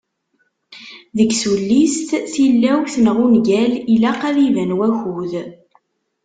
Deg tullist tilawt neɣ ungal ilaq ad iban wakud.